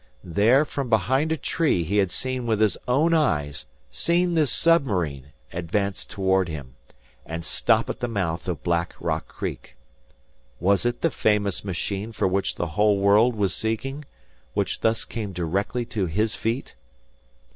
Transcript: There, from behind a tree he had seen with his own eyes, seen this submarine advance toward him, and stop at the mouth of Black Rock Creek. Was it the famous machine for which the whole world was seeking, which thus came directly to his feet?